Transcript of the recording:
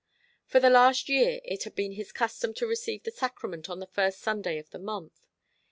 For the last year it had been his custom to receive the sacrament on the first Sunday of the month.